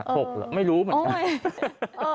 อะไรครับไม่รู้แต่